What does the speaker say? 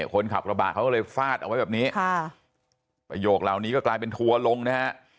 คนขับกระบะเขาก็เลยฟาดเอาไว้แบบนี้ค่ะประโยคเหล่านี้ก็กลายเป็นทัวร์ลงนะฮะ